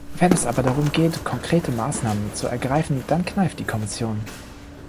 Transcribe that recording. Wenn es aber darum geht, konkrete Maßnahmen zu ergreifen, dann kneift die Kommission.